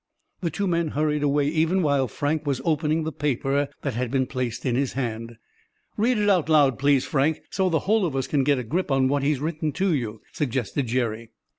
The two men hurried away even while Frank was opening the paper that had been placed in his hand. "Read it out loud, please, Frank, so the whole of us can get a grip on what he's written to you," suggested Jerry.